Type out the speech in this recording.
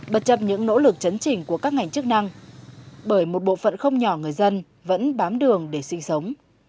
bất chấp những nỗ lực chấn trình của các ngành chức năng bởi một bộ phận không nhỏ người dân vẫn bám đường để sinh sống